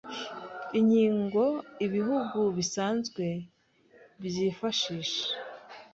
inkingo ibihugu bisanzwe byifashisha.